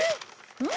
うん？